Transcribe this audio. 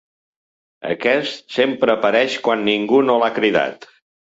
Aquest sempre apareix quan ningú no l'ha cridat.